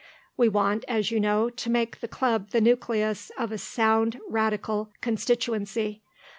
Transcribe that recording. We want, as you know, to make the Club the nucleus of a sound Radical constituency.